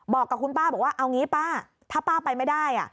บอกกับคุณป้าบอกว่าเอางี้ป้าถ้าป้าไปไม่ได้